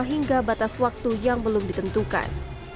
hingga batas waktu yang belum ditentukan